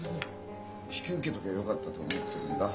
引き受けときゃよかったと思ってるんだ。